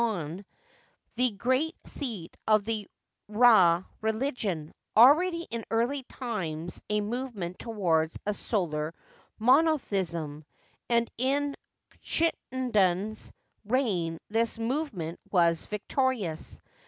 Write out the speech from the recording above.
Ori), the great seat of the ^^ relig^on, already in early times a movement toward a solar monotheism, and in Chuenaten 's reign this movement was victorious.